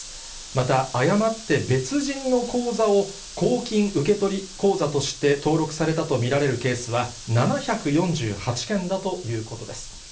また、誤って別人の口座を公金受取口座として登録されたと見られるケースは、７４８件だということです。